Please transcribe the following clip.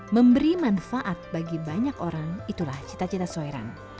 memberi manfaat bagi banyak orang itulah cita cita soiran